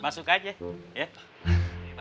masuk aja ya